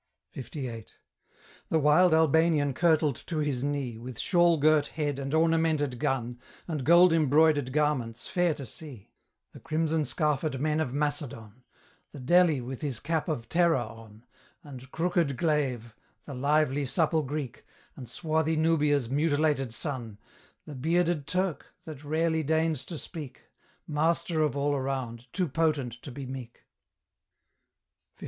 LVIII. The wild Albanian kirtled to his knee, With shawl girt head and ornamented gun, And gold embroidered garments, fair to see: The crimson scarfed men of Macedon; The Delhi with his cap of terror on, And crooked glaive; the lively, supple Greek; And swarthy Nubia's mutilated son; The bearded Turk, that rarely deigns to speak, Master of all around, too potent to be meek, LIX.